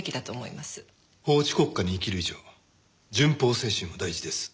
法治国家に生きる以上順法精神は大事です。